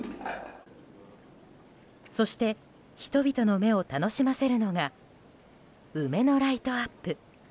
そして人々の目を楽しませるのが梅のライトアップ。